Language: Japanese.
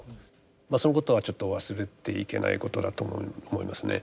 そのことはちょっと忘れていけないことだと思いますね。